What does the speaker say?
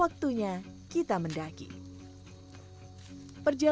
apa sih b antsen tadinya